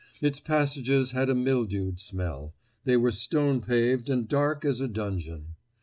Its passages had a mildewed smell; they were stone paved and dark as a dungeon.